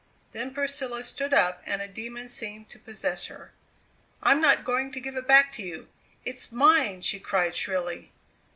Then Priscilla stood up and a demon seemed to possess her. "I'm not going to give it back to you! It's mine!" she cried shrilly.